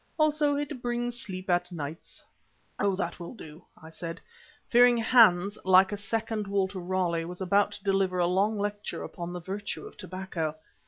Also it brings sleep at nights." "Oh! that will do," I said, fearing lest Hans, like a second Walter Raleigh, was about to deliver a long lecture upon the virtue of tobacco.